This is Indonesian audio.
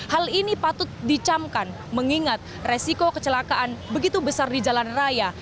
hal ini patut dicamkan mengingat resiko kecelakaan begitu besar di jalan raya